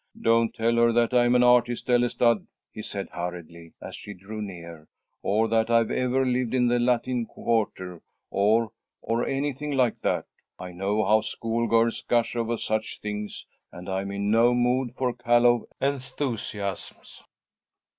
"Don't tell her that I am an artist, Ellestad," he said, hurriedly, as she drew near, "or that I've ever lived in the Latin Quarter or or anything like that. I know how schoolgirls gush over such things, and I'm in no mood for callow enthusiasms."